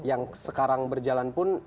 yang sekarang berjalan pun